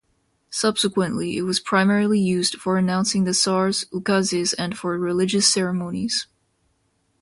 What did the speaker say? Subsequently, it was primarily used for announcing the tsar's ukazes and for religious ceremonies.